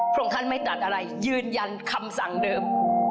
พระองค์ท่านไม่ตัดอะไรยืนยันคำสั่งเดิม